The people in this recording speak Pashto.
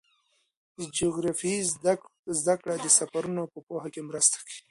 د جغرافیې زدهکړه د سفرونو په پوهه کې مرسته کوي.